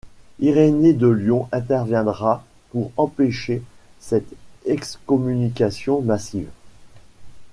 Irénée de Lyon interviendra pour empêcher cette excommunication massive.